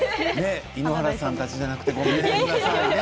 井ノ原さんたちじゃなくてごめんなさいね。